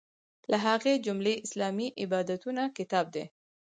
له هغې جملې اسلامي عبادتونه کتاب دی.